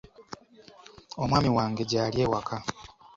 Omwami wange gy'ali ewaka.